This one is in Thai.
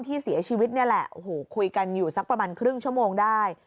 ที่เสียชีวิตนี่แหละโอ้โหคุยกันอยู่สักประมาณครึ่งชั่วโมงได้